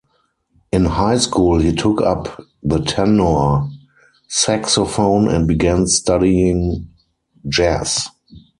In high school he took up the tenor saxophone and began studying jazz.